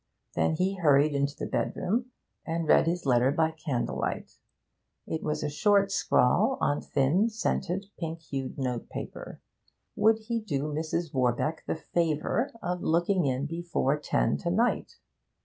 Then he hurried into the bedroom, and read his letter by candle light. It was a short scrawl on thin, scented, pink hued notepaper. Would he do Mrs. Warbeck the 'favour' of looking in before ten to night?